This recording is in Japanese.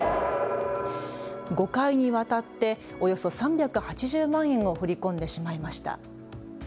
５回にわたっておよそ３８０万円を振り込んでしまいました。